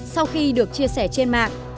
sau khi được chia sẻ trên mạng